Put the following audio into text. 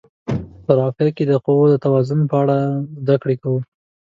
په رافعه کې د قوو د توازن په اړه زده کوو.